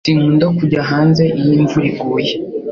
Sinkunda kujya hanze iyo imvura iguye